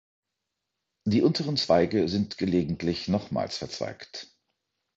Die unteren Zweige sind gelegentlich nochmals verzweigt.